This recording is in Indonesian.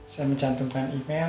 saya mencantumkan email